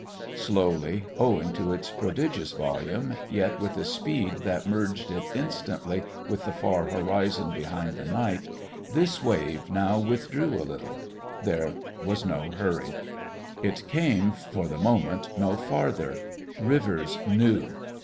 Slowly, owing to its prodigious volume, yet with a speed that merged it instantly with the far horizon behind the night, this wave now withdrew a little. There was no hurry. It came, for the moment, no farther. Rivers knew.